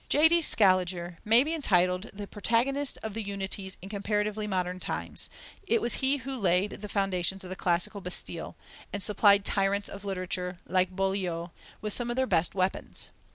J.C. Scaliger may be entitled the protagonist of the unities in comparatively modern times: he it was who "laid the foundations of the classical Bastille," and supplied tyrants of literature, like Boileau, with some of their best weapons.